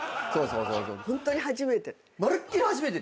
ホントに初めて。